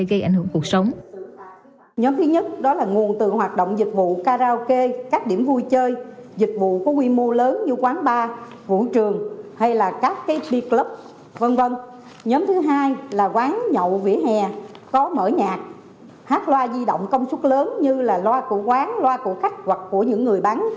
gây ảnh hưởng cuộc sống